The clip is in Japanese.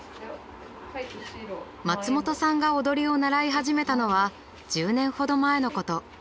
松本さんが踊りを習い始めたのは１０年ほど前のこと。